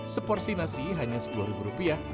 seporsi nasi hanya sepuluh ribu rupiah